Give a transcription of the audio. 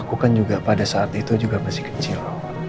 aku kan juga pada saat itu juga masih kecil